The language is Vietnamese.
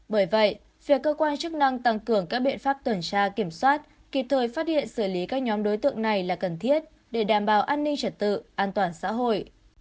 bởi vậy việc cơ quan chức năng tăng cường các biện pháp tuần tra kiểm soát kịp thời phát hiện xử lý các nhóm đối tượng này là cần thiết để đảm bảo an ninh trật tự an toàn xã hội